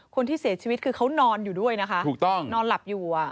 คนที่เสียชีวิตคือเขานอนอยู่ด้วยนะคะถูกต้องนอนหลับอยู่อ่ะ